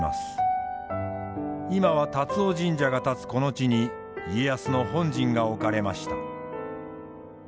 今は龍尾神社が立つこの地に家康の本陣が置かれました。